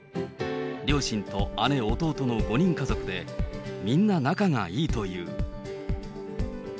両親と姉、弟の５人家族で、みんな仲がいいという。